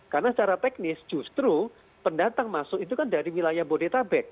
karena secara teknis justru pendatang masuk itu kan dari wilayah bodetabek